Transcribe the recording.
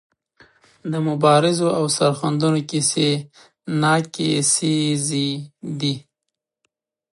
د مبارزو او سرښندنو کیسې ناکیسیزې دي.